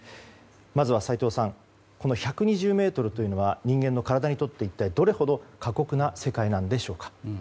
まずは斎藤さん１２０ｍというのは人間の体にとって一体どれほど過酷な世界なのでしょうか。